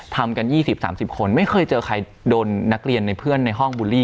ทำกัน๒๐๓๐คนไม่เคยเจอใครโดนนักเรียนในเพื่อนในห้องบูลลี่